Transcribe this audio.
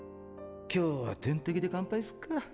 今日は点滴で乾杯すっか。